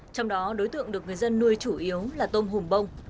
trong đó đối tượng được người dân nuôi chủ yếu là tôm hùm bông